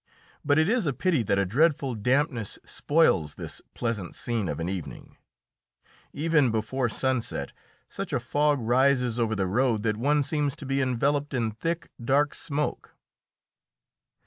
But it is a pity that a dreadful dampness spoils this pleasant scene of an evening; even before sunset such a fog rises over the road that one seems to be enveloped in thick, dark smoke.